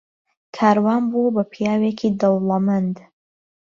کاروان بووە بە پیاوێکی دەوڵەمەند.